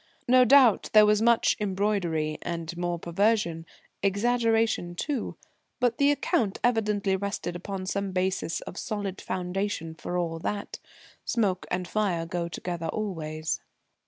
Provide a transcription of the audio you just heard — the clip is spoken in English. No doubt there was much embroidery, and more perversion, exaggeration too, but the account evidently rested upon some basis of solid foundation for all that. Smoke and fire go together always.